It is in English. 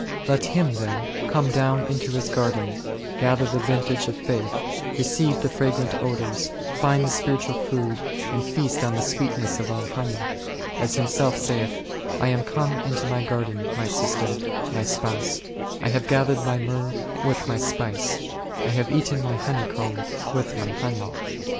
Let Him then come down into His garden, gather the vintage of faith, receive the fragrant odours, find the spiritual food, and feast on the sweetness of our honey ; as Him self saith, / am come into My garden, My sister, My spouse : I have gathered My myrrh with My spice ; I have eaten My honey comb with My honey*.